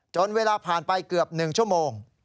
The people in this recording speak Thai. เวลาผ่านไปเกือบ๑ชั่วโมง